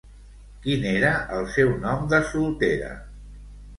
Quin era el seu nom de soltera?